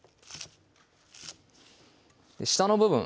下の部分